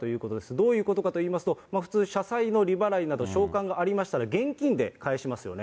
どういうことかといいますと、普通、社債の利払いなど、償還がありましたら、現金で返しますよね。